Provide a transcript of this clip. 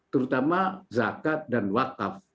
terutama zakat dan wakaf